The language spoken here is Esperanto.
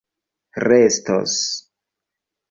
restos